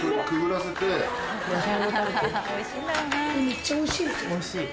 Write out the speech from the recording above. めっちゃおいしい。